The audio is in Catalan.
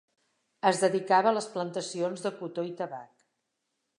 Es dedicava a les plantacions de cotó i tabac.